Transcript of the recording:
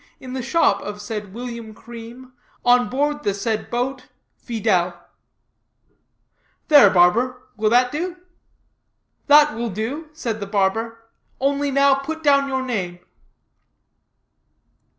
in the shop of said William Cream, on board the said boat, Fidèle." "There, barber; will that do?" "That will do," said the barber, "only now put down your name."